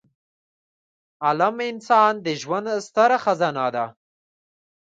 علمد انسان د ژوند ستره خزانه ده.